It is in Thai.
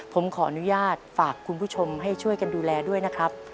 ผมขออนุญาตฝากคุณผู้ชมให้ช่วยกันดูแลด้วยนะครับ